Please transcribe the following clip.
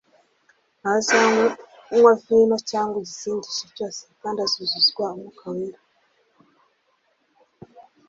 Ntazanywa vino cyangwa igisindisha cyose, kandi azuzuzwa Umwuka Wera